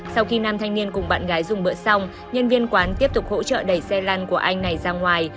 sau khi nam thanh niên cùng bạn gái dùng bữa xong nhân viên quán tiếp tục hỗ trợ đẩy xe lăn của anh này ra ngoài